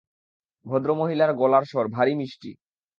ভদ্রমহিলার গলার স্বর ভারি মিষ্টি।